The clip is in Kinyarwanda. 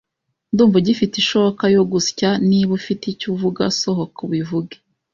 Ndumva ugifite ishoka yo gusya. Niba ufite icyo uvuga sohoka ubivuge.